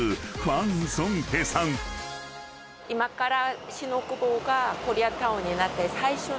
今から。